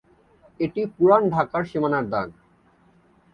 এটি পুরান ঢাকার সীমানার দাগ।